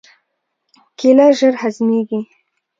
کېله ژر هضمېږي.